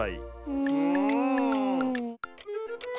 うん！